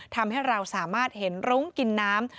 ทำให้เราสามารถเห็นรุ้งกินน้ำ